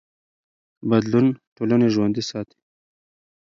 بدلون ټولنې ژوندي ساتي